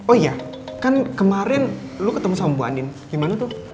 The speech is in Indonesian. oh iya kan kemarin lu ketemu sama bu andin gimana tuh